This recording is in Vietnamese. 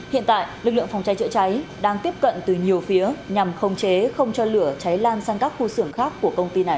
hiện tại lực lượng phòng cháy chữa cháy đang tiếp cận từ nhiều phía nhằm khống chế không cho lửa cháy lan sang các khu xưởng khác của công ty này